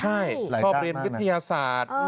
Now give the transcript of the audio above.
ใช่ชอบเรียนวิทยาศาสตร์